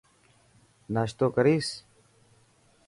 ناشتو ڪريس.